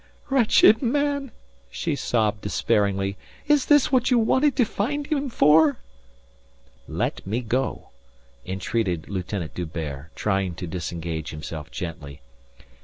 "Wretched man," she sobbed despairingly. "Is this what you wanted to find him for?" "Let me go," entreated Lieutenant D'Hubert, trying to disengage himself gently.